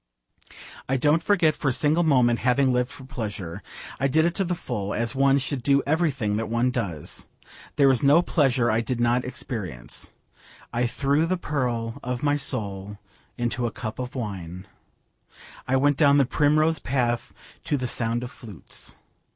I don't regret for a single moment having lived for pleasure. I did it to the full, as one should do everything that one does. There was no pleasure I did not experience. I threw the pearl of my soul into a cup of wine. I went down the primrose path to the sound of flutes.